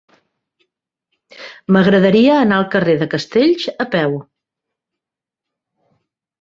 M'agradaria anar al carrer de Castells a peu.